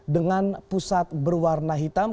dengan pusat berwarna hitam